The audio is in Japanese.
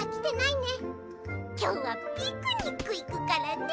きょうはピクニックいくからね。